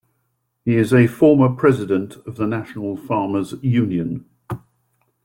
He is a former president of the National Farmers Union.